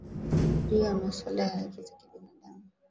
juu ya masuala ya haki za binaadamu